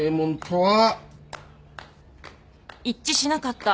一致しなかった。